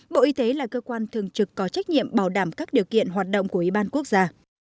bộ y tế là cơ quan thường trực có trách nhiệm bảo đảm các điều kiện hoạt động của ủy ban quốc gia